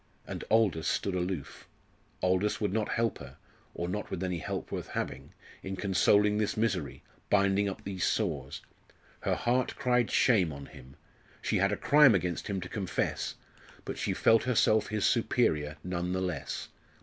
And Aldous stood aloof. Aldous would not help her or not with any help worth having in consoling this misery binding up these sores. Her heart cried shame on him. She had a crime against him to confess but she felt herself his superior none the less.